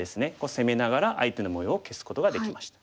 攻めながら相手の模様を消すことができました。